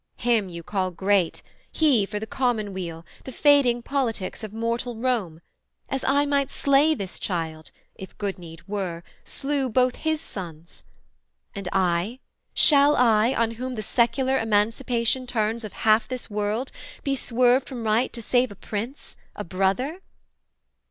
Him you call great: he for the common weal, The fading politics of mortal Rome, As I might slay this child, if good need were, Slew both his sons: and I, shall I, on whom The secular emancipation turns Of half this world, be swerved from right to save A prince, a brother?